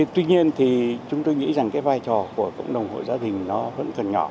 tuy nhiên thì chúng tôi nghĩ rằng cái vai trò của cộng đồng hội gia đình nó vẫn còn nhỏ